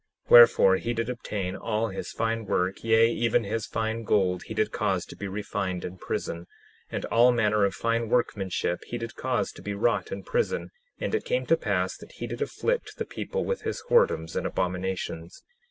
10:7 Wherefore he did obtain all his fine work, yea, even his fine gold he did cause to be refined in prison, and all manner of fine workmanship he did cause to be wrought in prison. And it came to pass that he did afflict the people with his whoredoms and abominations.